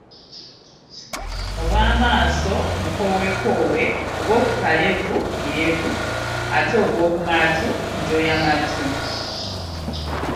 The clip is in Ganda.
Obw’amaaso bukowekowe obw’okukalevu birevu ate obw’oku matu njoyamatu.